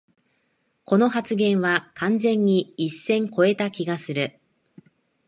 この発言は完全に一線こえた気がする